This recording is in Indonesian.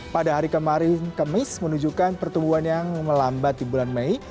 pada hari kemarin kemis menunjukkan pertumbuhan yang melambat di bulan mei